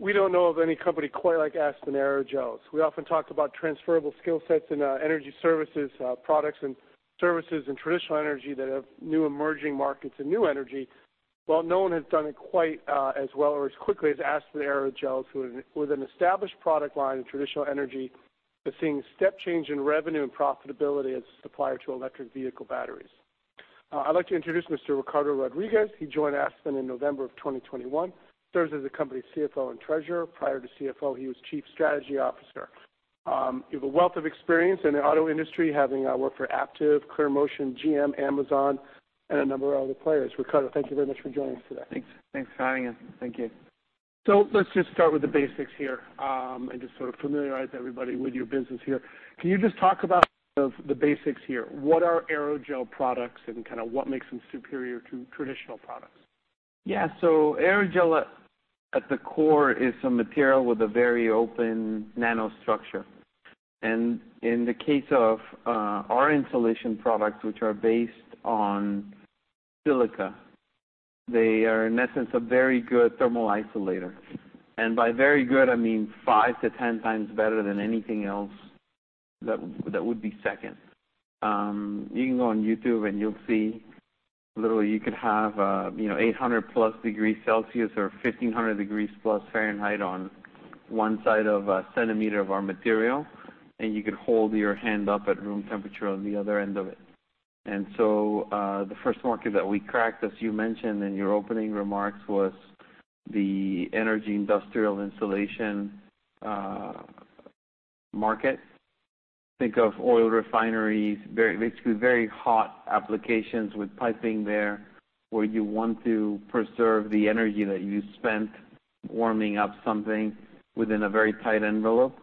We don't know of any company quite like Aspen Aerogels. We often talk about transferable skill sets in energy services, products and services in traditional energy that have new emerging markets and new energy. No one has done it quite as well or as quickly as Aspen Aerogels, who with an established product line in traditional energy, is seeing step change in revenue and profitability as a supplier to electric vehicle batteries. I'd like to introduce Mr. Ricardo Rodriguez. He joined Aspen in November of 2021, serves as the company's CFO and Treasurer. Prior to CFO, he was Chief Strategy Officer. You have a wealth of experience in the auto industry, having worked for Aptiv, ClearMotion, GM, Amazon, and a number of other players. Ricardo, thank you very much for joining us today. Thanks. Thanks for having us. Thank you. So let's just start with the basics here, and just sort of familiarize everybody with your business here. Can you just talk about the basics here? What are aerogel products, and kind of what makes them superior to traditional products? Yeah. Aerogel at the core is a material with a very open nanostructure. And in the case of our insulation products, which are based on silica, they are, in essence, a very good thermal isolator. And by very good, I mean 5-10 times better than anything else that would be second. You can go on YouTube, and you'll see literally you could have you know 800+ degrees Celsius or 1,500 degrees+ Fahrenheit on one side of a centimeter of our material, and you could hold your hand up at room temperature on the other end of it. And the first market that we cracked, as you mentioned in your opening remarks, was the energy industrial insulation market. Think of oil refineries, basically very hot applications with piping there, where you want to preserve the energy that you spent warming up something within a very tight envelope.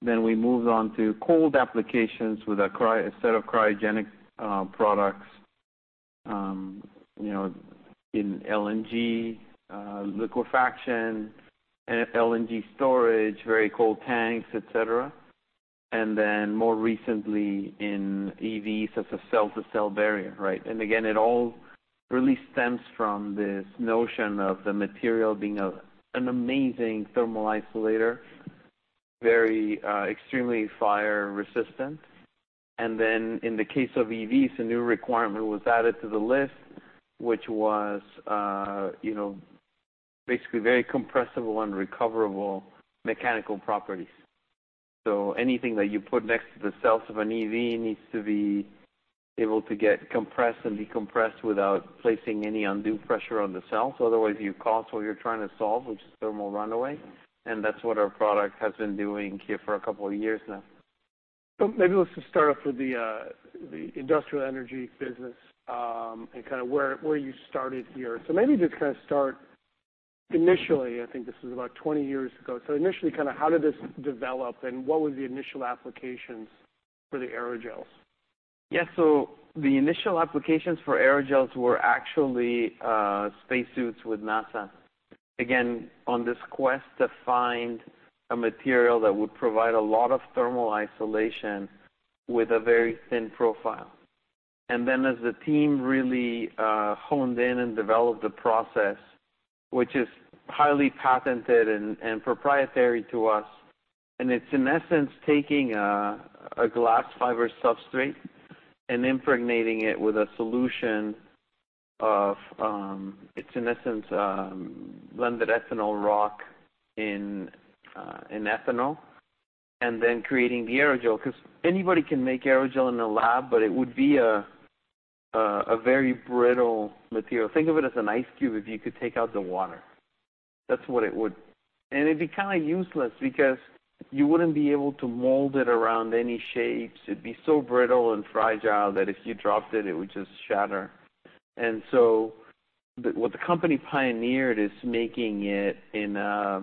Then we moved on to cold applications with a set of cryogenic products, you know, in LNG liquefaction and LNG storage, very cold tanks, et cetera. And then more recently in EVs, as a cell-to-cell barrier, right? And again, it all really stems from this notion of the material being an amazing thermal isolator, very extremely fire resistant. And then in the case of EVs, a new requirement was added to the list, which was, you know, basically very compressible and recoverable mechanical properties. Anything that you put next to the cells of an EV needs to be able to get compressed and decompressed without placing any undue pressure on the cells. Otherwise, you cause what you're trying to solve, which is thermal runaway, and that's what our product has been doing here for a couple of years now. So maybe let's just start off with the industrial energy business, and kind of where you started here. So maybe just kind of start initially, I think this was about twenty years ago. So initially, kind of how did this develop, and what was the initial applications for the aerogels? Yeah. So the initial applications for aerogels were actually spacesuits with NASA. Again, on this quest to find a material that would provide a lot of thermal isolation with a very thin profile, and then as the team really honed in and developed the process, which is highly patented and proprietary to us, and it's in essence taking a glass fiber substrate and impregnating it with a solution of silica in ethanol, and then creating the aerogel. 'Cause anybody can make aerogel in a lab, but it would be a very brittle material. Think of it as an ice cube, if you could take out the water. That's what it would be, and it'd be kind of useless because you wouldn't be able to mold it around any shapes. It'd be so brittle and fragile that if you dropped it, it would just shatter. And so the, what the company pioneered is making it in a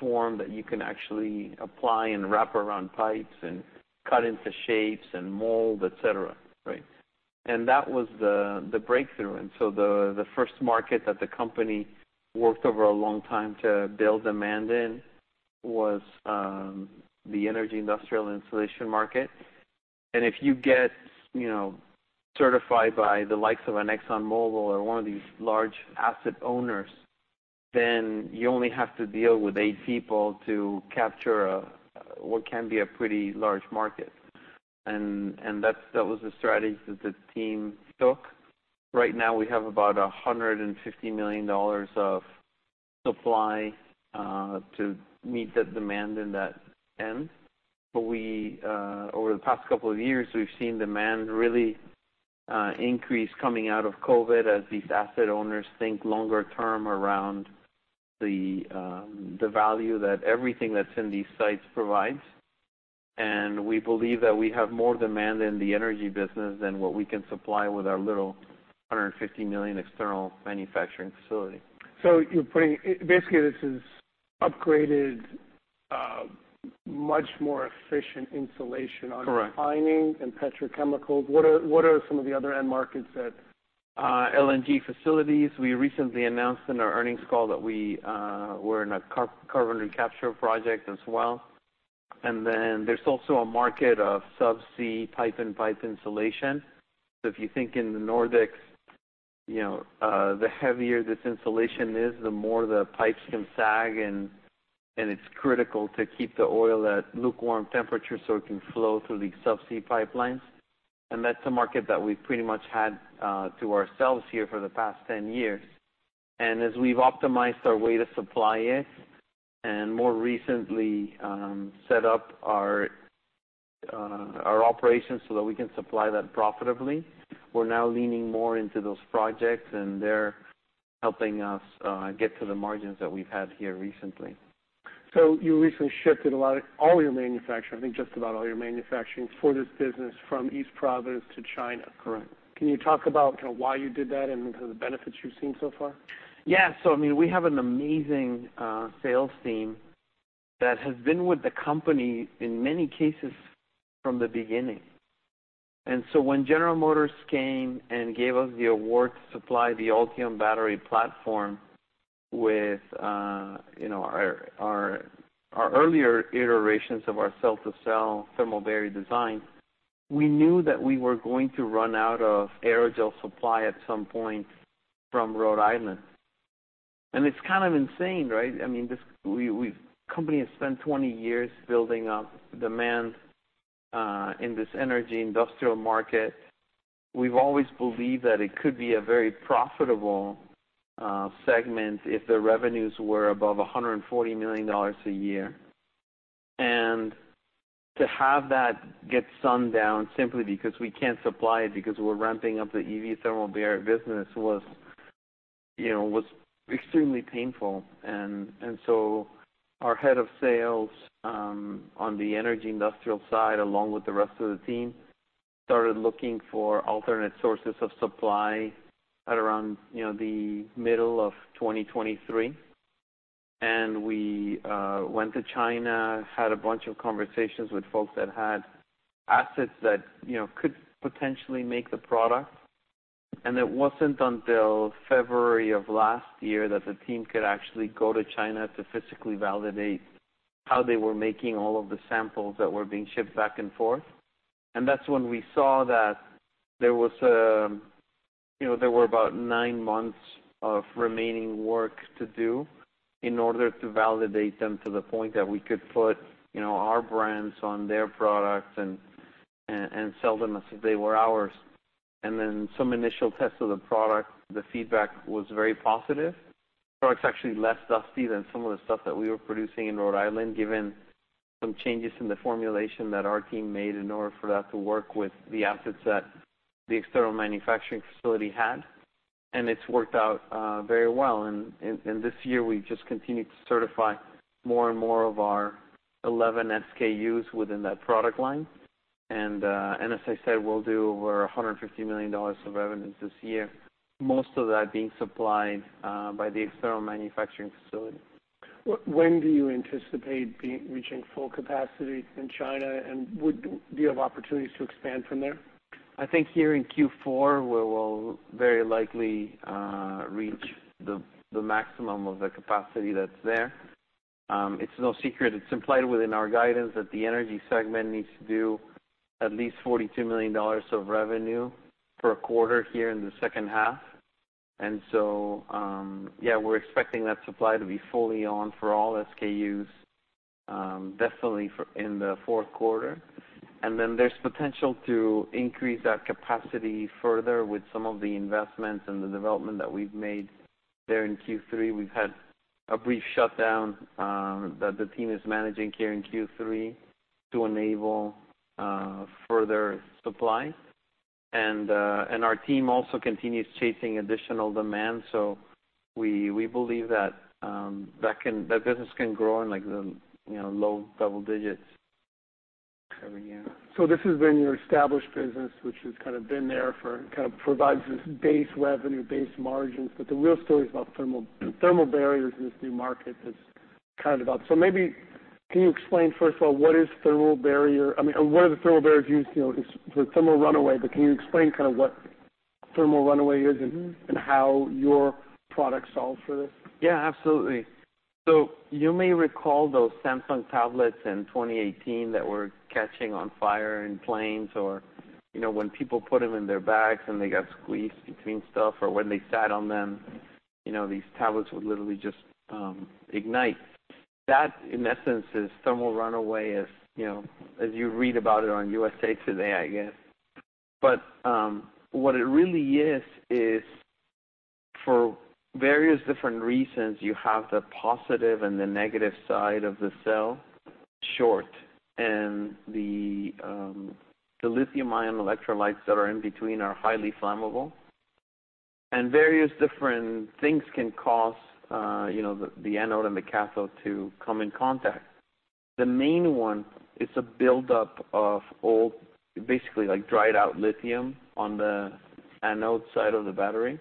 form that you can actually apply and wrap around pipes and cut into shapes and mold, et cetera, right? And that was the breakthrough. And so the first market that the company worked over a long time to build demand in was the energy industrial insulation market. And if you get, you know, certified by the likes of an ExxonMobil or one of these large asset owners, then you only have to deal with eight people to capture what can be a pretty large market. And that's, that was the strategy that the team took. Right now we have about $150 million of supply to meet the demand in that end. But we over the past couple of years, we've seen demand really increase coming out of COVID, as these asset owners think longer term around the value that everything that's in these sites provides. And we believe that we have more demand in the energy business than what we can supply with our little $150 million external manufacturing facility. So you're putting basically, this is upgraded, much more efficient insulation- Correct. - on mining and petrochemicals. What are some of the other end markets that- LNG facilities. We recently announced in our earnings call that we're in a carbon capture project as well. And then there's also a market of subsea pipe and pipe insulation. So if you think in the Nordics, you know, the heavier this insulation is, the more the pipes can sag, and it's critical to keep the oil at lukewarm temperature so it can flow through the subsea pipelines. And that's a market that we've pretty much had to ourselves here for the past 10 years. And as we've optimized our way to supply it, and more recently, set up our operations so that we can supply that profitably, we're now leaning more into those projects, and they're helping us get to the margins that we've had here recently. So you recently shifted all your manufacturing, I think, just about all your manufacturing for this business from East Providence to China? Correct. Can you talk about kind of why you did that and the benefits you've seen so far? Yeah. So, I mean, we have an amazing sales team that has been with the company, in many cases, from the beginning. And so when General Motors came and gave us the award to supply the Ultium battery platform with, you know, our earlier iterations of our cell-to-cell thermal barrier design, we knew that we were going to run out of aerogel supply at some point from Rhode Island. And it's kind of insane, right? I mean, this company has spent twenty years building up demand in this energy industrial market. We've always believed that it could be a very profitable segment if the revenues were above $140 million a year. And to have that get sundown simply because we can't supply it, because we're ramping up the EV thermal barrier business was, you know, extremely painful. And so our head of sales on the energy industrial side, along with the rest of the team, started looking for alternate sources of supply at around, you know, the middle of 2023. And we went to China, had a bunch of conversations with folks that had assets that, you know, could potentially make the product. And it wasn't until February of last year that the team could actually go to China to physically validate how they were making all of the samples that were being shipped back and forth. And that's when we saw that there was a you know, there were about nine months of remaining work to do in order to validate them to the point that we could put, you know, our brands on their products and sell them as if they were ours. And then some initial tests of the product, the feedback was very positive. The product's actually less dusty than some of the stuff that we were producing in Rhode Island, given some changes in the formulation that our team made in order for that to work with the assets that the external manufacturing facility had. And it's worked out very well. And this year, we've just continued to certify more and more of our 11 SKUs within that product line. And as I said, we'll do over $150 million of revenue this year, most of that being supplied by the external manufacturing facility. When do you anticipate reaching full capacity in China, and do you have opportunities to expand from there? I think here in Q4, we will very likely reach the maximum of the capacity that's there. It's no secret, it's implied within our guidance that the energy segment needs to do at least $42 million of revenue for a quarter here in the second half. And so, yeah, we're expecting that supply to be fully on for all SKUs, definitely in the fourth quarter. And then there's potential to increase that capacity further with some of the investments and the development that we've made there in Q3. We've had a brief shutdown that the team is managing here in Q3 to enable further supply. And our team also continues chasing additional demand, so we believe that that business can grow in, like, the, you know, low double digits every year. So this has been your established business, which has kind of been there for kind of provides this base revenue, base margins, but the real story is about thermal barriers in this new market that's kind of up. So maybe can you explain, first of all, what is thermal barrier? I mean, what are the thermal barriers used, you know, for thermal runaway, but can you explain kind of what thermal runaway is and how your product solves for this? Yeah, absolutely. You may recall those Samsung tablets in 2018 that were catching on fire in planes, or, you know, when people put them in their bags and they got squeezed between stuff, or when they sat on them, you know, these tablets would literally just ignite. That, in essence, is thermal runaway, as, you know, as you read about it on USA Today, I guess. What it really is, is for various different reasons, you have the positive and the negative side of the cell short, and the lithium-ion electrolytes that are in between are highly flammable. And various different things can cause, you know, the anode and the cathode to come in contact. The main one is a buildup of old, basically, like, dried-out lithium on the anode side of the battery.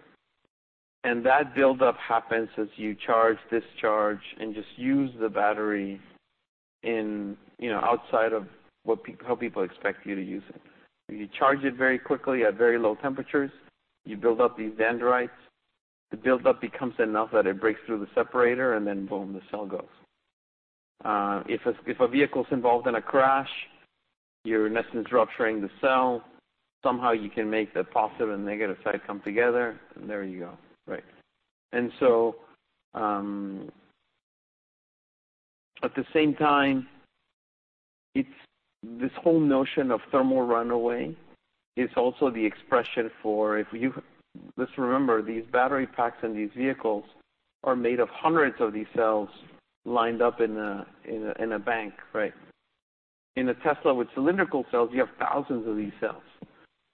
That buildup happens as you charge, discharge, and just use the battery in, you know, outside of how people expect you to use it. You charge it very quickly at very low temperatures, you build up these dendrites. The buildup becomes enough that it breaks through the separator, and then boom, the cell goes. If a vehicle's involved in a crash, you're in essence rupturing the cell. Somehow you can make the positive and negative side come together, and there you go, right? So, at the same time, it's this whole notion of thermal runaway is also the expression for if you. Let's remember, these battery packs in these vehicles are made of 100 of these cells lined up in a bank, right? In a Tesla with cylindrical cells, you have thousands of these cells.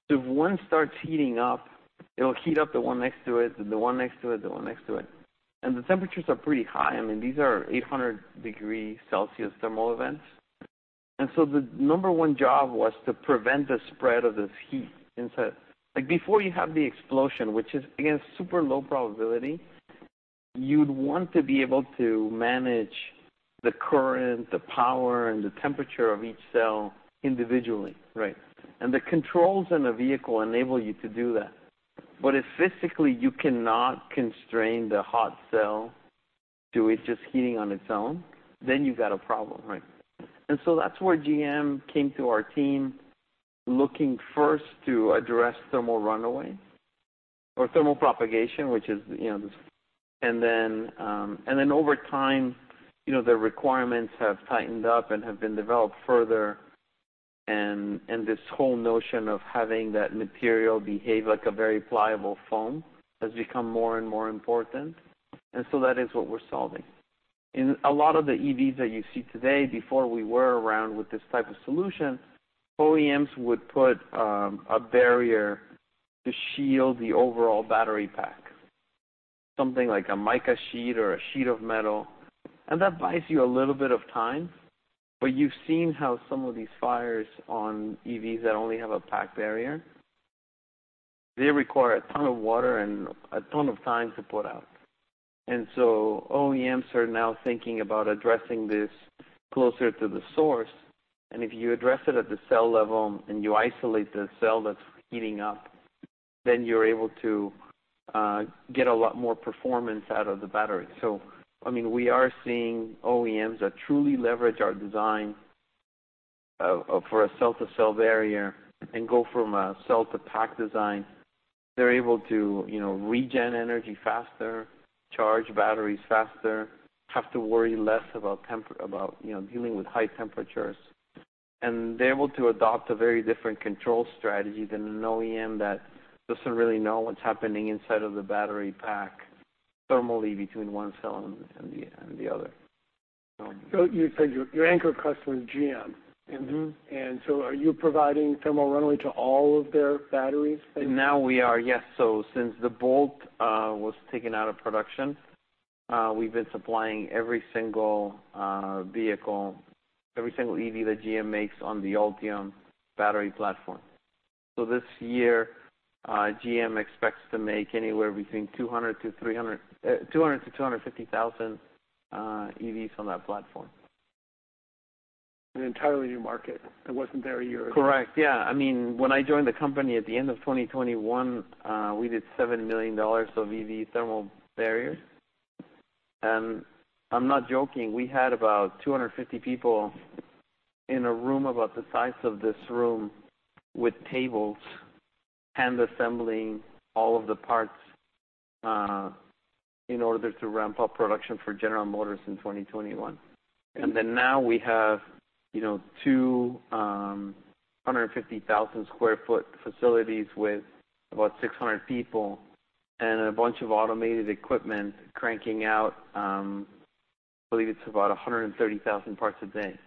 So if one starts heating up, it'll heat up the one next to it, and the one next to it, the one next to it. And the temperatures are pretty high. I mean, these are 800 degrees Celsius thermal events. And so the number one job was to prevent the spread of this heat inside. Like, before you have the explosion, which is, again, super low probability, you'd want to be able to manage the current, the power, and the temperature of each cell individually, right? And the controls in the vehicle enable you to do that. But if physically you cannot constrain the hot cell to it just heating on its own, then you've got a problem, right? And so that's where GM came to our team, looking first to address thermal runaway or thermal propagation, which is, you know, this... And then over time, you know, the requirements have tightened up and have been developed further, and this whole notion of having that material behave like a very pliable foam has become more and more important, and so that is what we're solving. In a lot of the EVs that you see today, before we were around with this type of solution, OEMs would put a barrier to shield the overall battery pack, something like a mica sheet or a sheet of metal, and that buys you a little bit of time. But you've seen how some of these fires on EVs that only have a pack barrier, they require a ton of water and a ton of time to put out. And so OEMs are now thinking about addressing this closer to the source, and if you address it at the cell level and you isolate the cell that's heating up, then you're able to get a lot more performance out of the battery. So, I mean, we are seeing OEMs that truly leverage our design for a cell-to-cell barrier and go from a cell-to-pack design. They're able to, you know, regen energy faster, charge batteries faster, have to worry less about, you know, dealing with high temperatures. And they're able to adopt a very different control strategy than an OEM that doesn't really know what's happening inside of the battery pack thermally between one cell and the other. So you said your, your anchor customer is GM. Mm-hmm. And so are you providing Thermal Runaway to all of their batteries? Now we are, yes. So since the Bolt was taken out of production, we've been supplying every single vehicle, every single EV that GM makes on the Ultium battery platform. So this year, GM expects to make anywhere between 200-300, 200-250,000 EVs on that platform. An entirely new market that wasn't there a year ago. Correct. Yeah. I mean, when I joined the company at the end of 2021, we did $7 million of EV thermal barriers. And I'm not joking, we had about 250 people in a room about the size of this room, with tables, hand-assembling all of the parts, in order to ramp up production for General Motors in 2021. And then now we have, you know, 250,000 sq ft facilities with about 600 people and a bunch of automated equipment cranking out, I believe it's about 130,000 parts a day.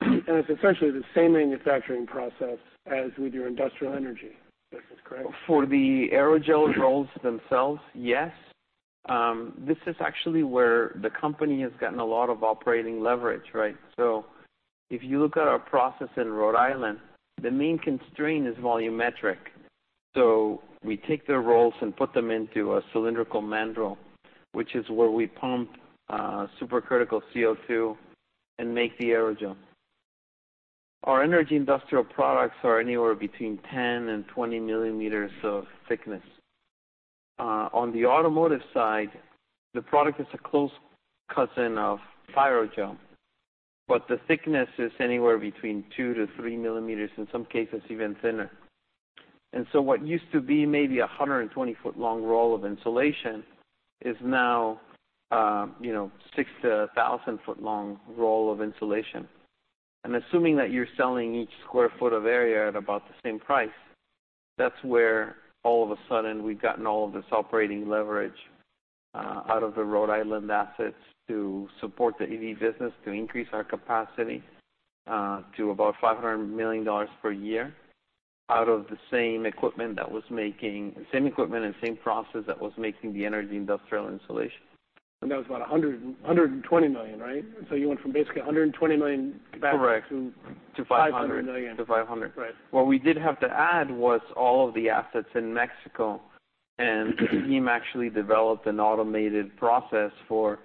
It's essentially the same manufacturing process as with your industrial energy business, correct? For the aerogel rolls themselves, yes. This is actually where the company has gotten a lot of operating leverage, right? So if you look at our process in Rhode Island, the main constraint is volumetric. So we take the rolls and put them into a cylindrical mandrel, which is where we pump supercritical CO2 and make the aerogel. Our energy industrial products are anywhere between 10 and 20 millimeters of thickness. On the automotive side, the product is a close cousin of Pyrogel, but the thickness is anywhere between 2-3 millimeters, in some cases even thinner. And so what used to be maybe a 120-foot-long roll of insulation is now, you know, 6 to 1,000-foot-long roll of insulation. Assuming that you're selling each sq ft of area at about the same price, that's where all of a sudden we've gotten all of this operating leverage out of the Rhode Island assets to support the EV business, to increase our capacity to about $500 million per year, out of the same equipment and same process that was making the energy industrial insulation. That was about $120 million, right? You went from basically $120 million back- Correct... to $500 million. To 500. Right. What we did have to add was all of the assets in Mexico, and the team actually developed an automated process for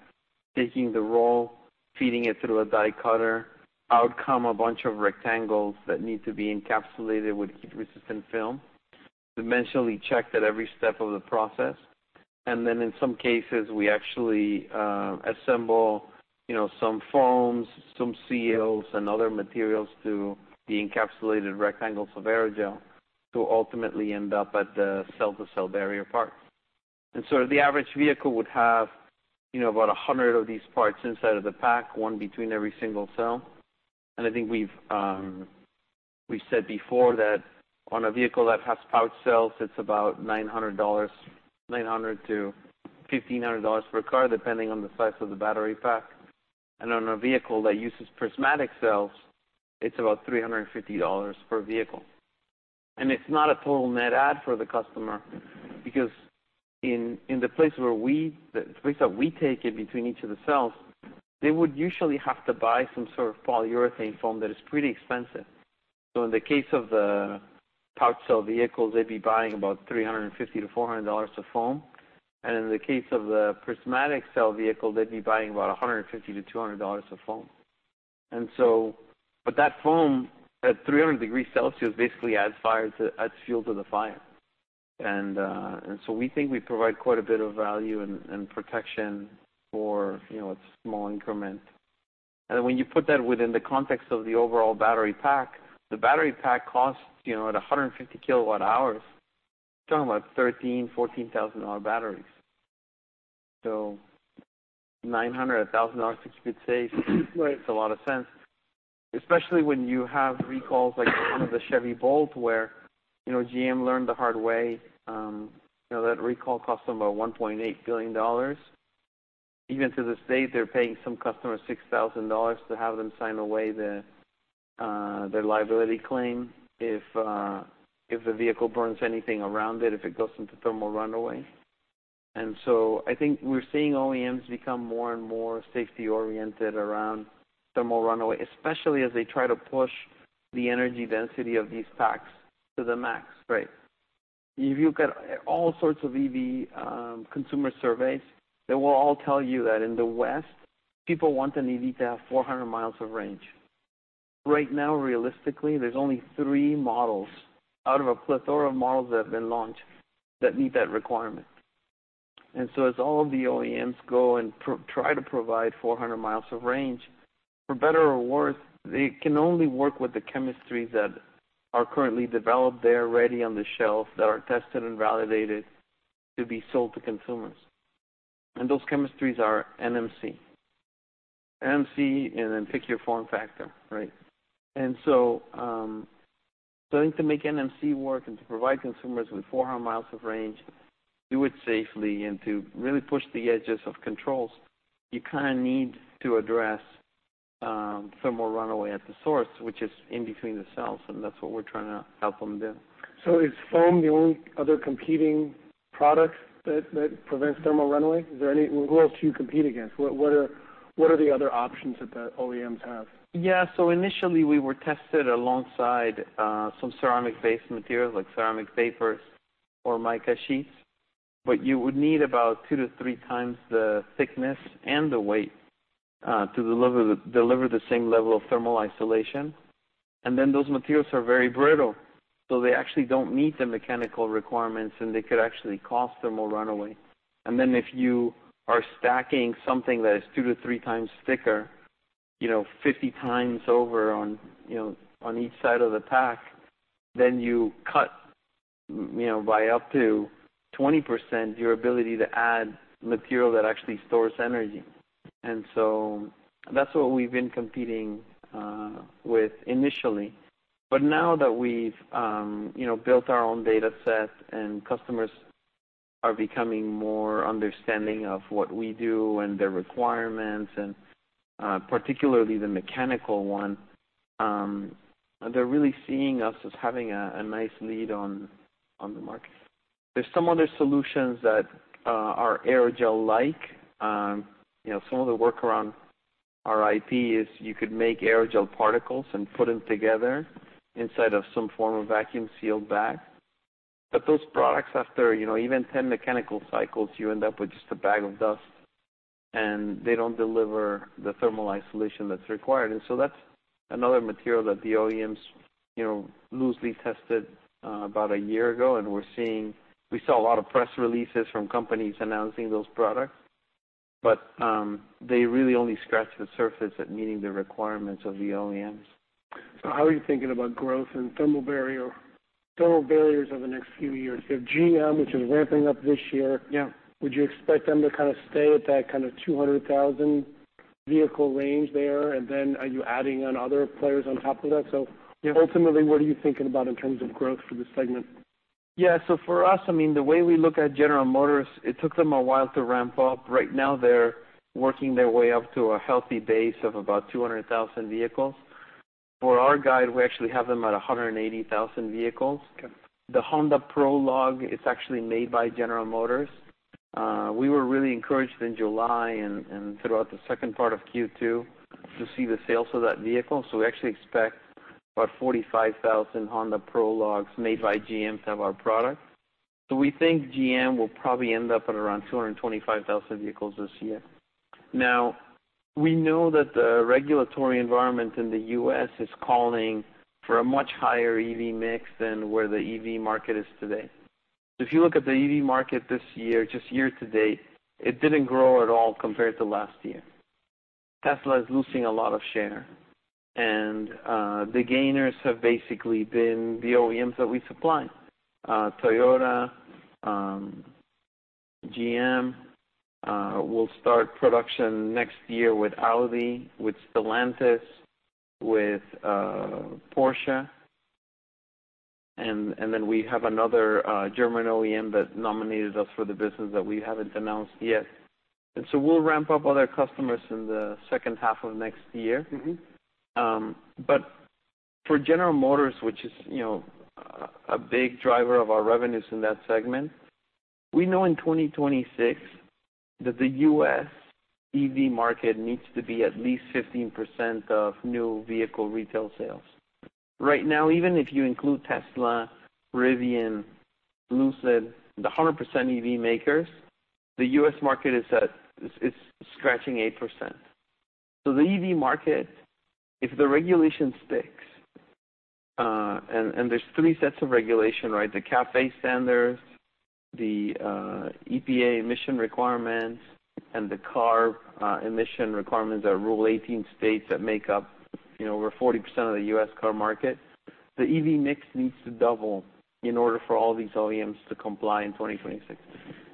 taking the roll, feeding it through a die cutter, out come a bunch of rectangles that need to be encapsulated with heat-resistant film, dimensionally checked at every step of the process, and then in some cases, we actually assemble, you know, some foams, some seals, and other materials to the encapsulated rectangles of aerogel to ultimately end up at the cell-to-cell barrier part. And so the average vehicle would have, you know, about 100 of these parts inside of the pack, one between every single cell. And I think we've said before that on a vehicle that has pouch cells, it's about $900, $900-$1,500 per car, depending on the size of the battery pack. On a vehicle that uses prismatic cells, it's about $350 per vehicle. It's not a total net add for the customer because in the place that we take it between each of the cells, they would usually have to buy some sort of polyurethane foam that is pretty expensive. So in the case of the pouch cell vehicles, they'd be buying about $350-$400 of foam. In the case of the prismatic cell vehicle, they'd be buying about $150-$200 of foam. But that foam, at 300 degrees Celsius, basically adds fire to the fire, adds fuel to the fire. And so we think we provide quite a bit of value and protection for, you know, a small increment. When you put that within the context of the overall battery pack, the battery pack costs, you know, at 150 kilowatt hours, talking about 13-14 thousand-dollar batteries. So $900-$1,000 to keep it safe makes a lot of sense, especially when you have recalls like one of the Chevy Bolt, where, you know, GM learned the hard way, you know, that recall cost them about $1.8 billion. Even to this date, they're paying some customers $6,000 to have them sign away their liability claim if the vehicle burns anything around it, if it goes into thermal runaway. And so I think we're seeing OEMs become more and more safety-oriented around thermal runaway, especially as they try to push the energy density of these packs to the max. Right. If you look at all sorts of EV consumer surveys, they will all tell you that in the West, people want an EV to have 400 miles of range. Right now, realistically, there's only three models out of a plethora of models that have been launched that meet that requirement. And so as all of the OEMs go and try to provide 400 miles of range, for better or worse, they can only work with the chemistries that are currently developed. They are ready on the shelf, that are tested and validated to be sold to consumers, and those chemistries are NMC. NMC, and then pick your form factor, right? And so, starting to make NMC work and to provide consumers with 400 miles of range, do it safely, and to really push the edges of controls, you kind of need to address thermal runaway at the source, which is in between the cells, and that's what we're trying to help them do. So is foam the only other competing product that prevents thermal runaway? Is there any? Who else do you compete against? What are the other options that the OEMs have? Yeah. So initially we were tested alongside some ceramic-based materials, like ceramic papers or mica sheets, but you would need about two to three times the thickness and the weight to deliver the same level of thermal isolation. And then those materials are very brittle, so they actually don't meet the mechanical requirements, and they could actually cause thermal runaway. And then if you are stacking something that is two to three times thicker, you know, fifty times over on, you know, on each side of the pack, then you cut, you know, by up to 20% your ability to add material that actually stores energy. And so that's what we've been competing with initially. But now that we've you know, built our own data set and customers are becoming more understanding of what we do and their requirements, and particularly the mechanical one, they're really seeing us as having a nice lead on the market. There's some other solutions that are aerogel-like. You know, some of the work around our IP is you could make aerogel particles and put them together inside of some form of vacuum-sealed bag. But those products, after you know, even ten mechanical cycles, you end up with just a bag of dust, and they don't deliver the thermal isolation that's required. And so that's another material that the OEMs, you know, loosely tested about a year ago, and we're seeing, we saw a lot of press releases from companies announcing those products, but they really only scratched the surface at meeting the requirements of the OEMs. So how are you thinking about growth and thermal barrier, thermal barriers over the next few years? You have GM, which is ramping up this year. Yeah. Would you expect them to kind of stay at that kind of 200,000 vehicle range there, and then are you adding on other players on top of that? So- Yeah. Ultimately, what are you thinking about in terms of growth for this segment? Yeah, so for us, I mean, the way we look at General Motors, it took them a while to ramp up. Right now, they're working their way up to a healthy base of about 200,000 vehicles. For our guide, we actually have them at a hundred and eighty thousand vehicles. Okay. The Honda Prologue is actually made by General Motors. We were really encouraged in July and throughout the second part of Q2 to see the sales of that vehicle. So we actually expect about 45,000 Honda Prologues made by GM to have our product. So we think GM will probably end up at around 225,000 vehicles this year. Now, we know that the regulatory environment in the U.S. is calling for a much higher EV mix than where the EV market is today. If you look at the EV market this year, just year to date, it didn't grow at all compared to last year. Tesla is losing a lot of share, and the gainers have basically been the OEMs that we supply, Toyota, GM. We'll start production next year with Audi, with Stellantis, with Porsche, and then we have another German OEM that nominated us for the business that we haven't announced yet. And so we'll ramp up other customers in the second half of next year. Mm-hmm. But for General Motors, which is, you know, a big driver of our revenues in that segment, we know in 2026 that the U.S. EV market needs to be at least 15% of new vehicle retail sales. Right now, even if you include Tesla, Rivian, Lucid, the 100% EV makers, the U.S. market is at—it's scratching 8%. So the EV market, if the regulation sticks, and there's three sets of regulation, right? The CAFE standards, the EPA emission requirements, and the CARB emission requirements in 18 states that make up, you know, over 40% of the U.S. car market. The EV mix needs to double in order for all these OEMs to comply in 2026.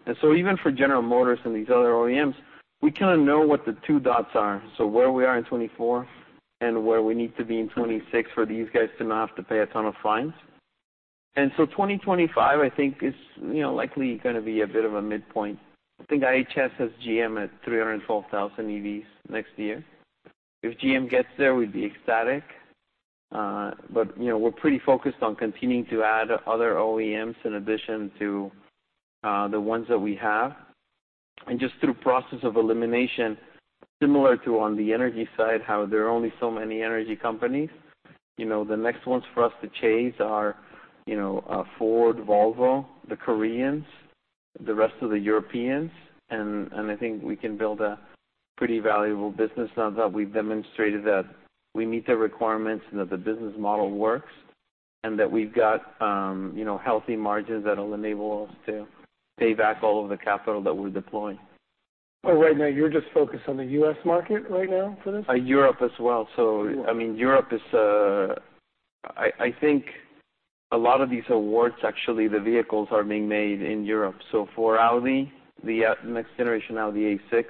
And so even for General Motors and these other OEMs, we kinda know what the two dots are, so where we are in 2024 and where we need to be in 2026 for these guys to not have to pay a ton of fines, and so 2025, I think, is, you know, likely gonna be a bit of a midpoint. I think IHS has GM at 312,000 EVs next year. If GM gets there, we'd be ecstatic, but, you know, we're pretty focused on continuing to add other OEMs in addition to the ones that we have. And just through process of elimination, similar to on the energy side, how there are only so many energy companies, you know, the next ones for us to chase are, you know, Ford, Volvo, the Koreans, the rest of the Europeans, and I think we can build a pretty valuable business now that we've demonstrated that we meet the requirements and that the business model works, and that we've got, you know, healthy margins that will enable us to pay back all of the capital that we're deploying. But right now, you're just focused on the U.S. market for this? Europe as well. So, I mean, Europe is. I think a lot of these awards, actually, the vehicles are being made in Europe. So for Audi, the next generation Audi A6,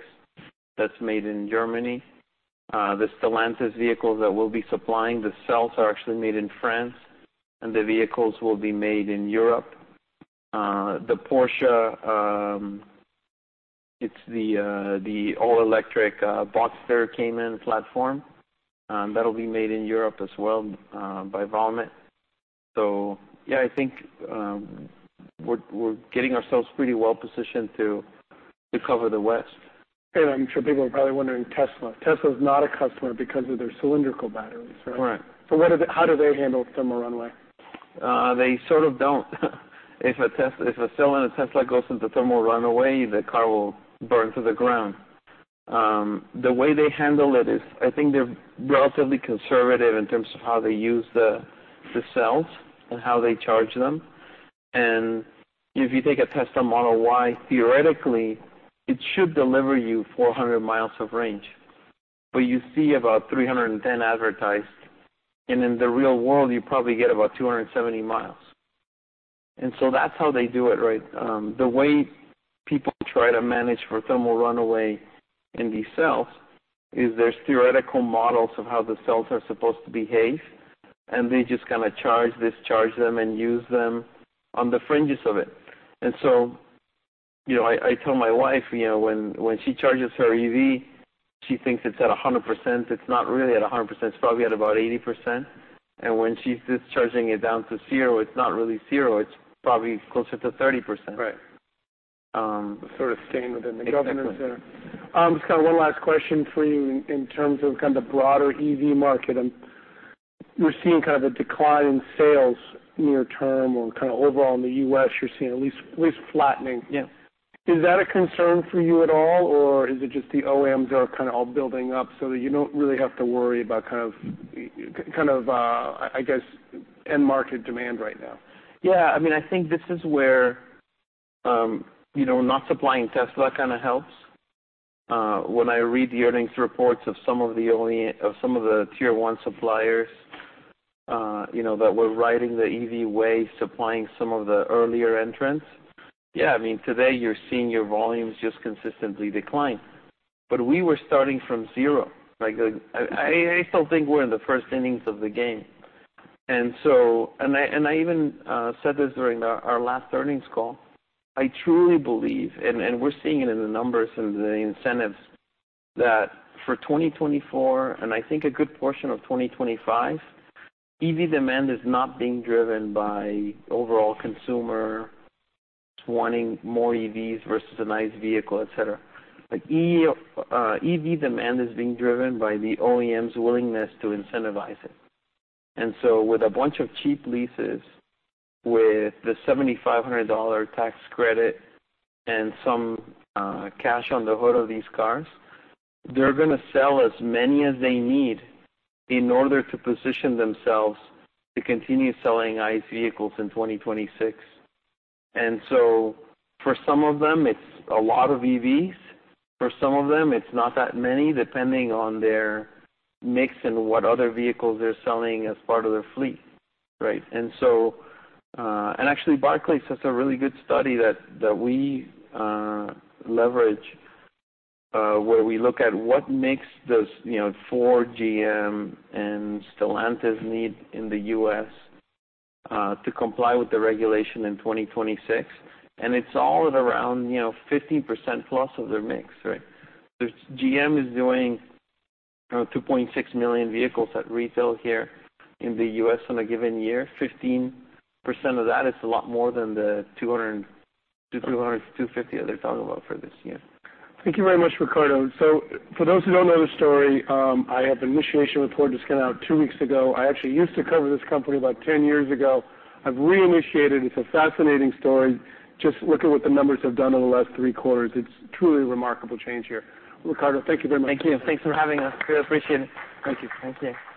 that's made in Germany. The Stellantis vehicles that we'll be supplying, the cells are actually made in France, and the vehicles will be made in Europe. The Porsche, it's the all-electric Boxster Cayman platform, that'll be made in Europe as well, by Volkswagen. So yeah, I think, we're getting ourselves pretty well positioned to cover the West. I'm sure people are probably wondering, Tesla. Tesla is not a customer because of their cylindrical batteries, right? Right. So how do they handle thermal runaway? They sort of don't. If a cell in a Tesla goes into thermal runaway, the car will burn to the ground. The way they handle it is, I think they're relatively conservative in terms of how they use the cells and how they charge them. And if you take a Tesla Model Y, theoretically, it should deliver you 400 miles of range, but you see about 310 advertised, and in the real world, you probably get about 270 miles. And so that's how they do it, right? The way people try to manage for thermal runaway in these cells is there's theoretical models of how the cells are supposed to behave, and they just kinda charge, discharge them, and use them on the fringes of it. You know, I tell my wife, you know, when she charges her EV, she thinks it's at 100%. It's not really at 100%. It's probably at about 80%. When she's discharging it down to 0, it's not really 0. It's probably closer to 30%. Right. Um- Sort of staying within the governed center. Exactly. Just kinda one last question for you in terms of kind of the broader EV market. We're seeing kind of a decline in sales near term or kind of overall in the U.S., you're seeing at least flattening. Yeah. Is that a concern for you at all, or is it just the OEMs are kind of all building up so that you don't really have to worry about kind of, I guess, end market demand right now? Yeah, I mean, I think this is where, you know, not supplying Tesla kind of helps. When I read the earnings reports of some of the OEMs of some of the tier one suppliers, you know, that were riding the EV wave, supplying some of the earlier entrants, yeah, I mean, today you're seeing your volumes just consistently decline. But we were starting from zero. Like, I still think we're in the first innings of the game. And so I even said this during our last earnings call. I truly believe, and we're seeing it in the numbers and the incentives, that for 2024, and I think a good portion of 2025, EV demand is not being driven by overall consumer wanting more EVs versus a nice vehicle, et cetera. Like, EV demand is being driven by the OEM's willingness to incentivize it. And so with a bunch of cheap leases, with the $7,500 tax credit and some cash on the hood of these cars, they're gonna sell as many as they need in order to position themselves to continue selling ICE vehicles in 2026. And so for some of them, it's a lot of EVs. For some of them, it's not that many, depending on their mix and what other vehicles they're selling as part of their fleet, right? And so... And actually, Barclays has a really good study that we leverage where we look at what makes those, you know, Ford, GM, and Stellantis need in the U.S. to comply with the regulation in twenty twenty-six, and it's all at around, you know, 15% plus of their mix, right? There is GM doing 2.6 million vehicles at retail here in the U.S. on a given year. 15% of that is a lot more than the 200 to 300 to 250 they're talking about for this year. Thank you very much, Ricardo. So for those who don't know the story, I have an initiation report just came out two weeks ago. I actually used to cover this company about 10 years ago. I've reinitiated it. It's a fascinating story. Just look at what the numbers have done in the last three quarters. It's truly remarkable change here. Ricardo, thank you very much. Thank you. Thanks for having us. We appreciate it. Thank you. Thank you.